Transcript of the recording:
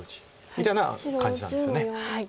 みたいな感じなんですよね。